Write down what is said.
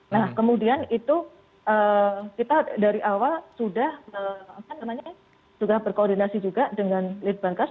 nah kemudian itu kita dari awal sudah berkoordinasi juga dengan litbangkes